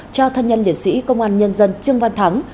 cho thân nhân liệt sĩ công an nhân dân trương văn thắng